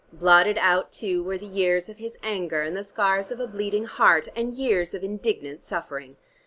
Blotted out, too, were the years of his anger and the scars of a bleeding heart, and years of indignant suffering.